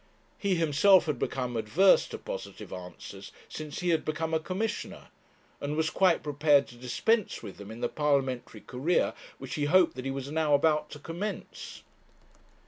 He himself had become adverse to positive answers since he had become a commissioner, and was quite prepared to dispense with them in the parliamentary career which he hoped that he was now about to commence.